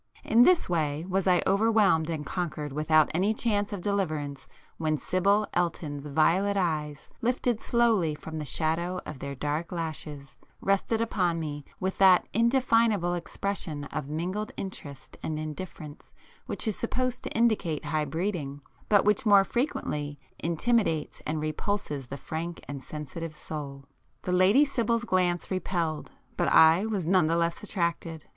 In this way was I overwhelmed and conquered without any chance of deliverance when Sibyl Elton's violet eyes, lifted slowly from the shadow of their dark lashes, rested upon me with that indefinable expression of mingled interest and indifference which is supposed to indicate high breeding, but which more frequently intimidates and repulses the frank and sensitive soul. The Lady Sibyl's glance repelled, but I was none the less attracted.